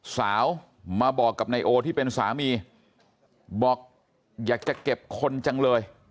สาวมาบอกกับนายโอที่เป็นสามีบอกอยากจะเก็บคนจังเลย